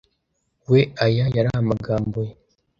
we. ' Aya yari amagambo ye.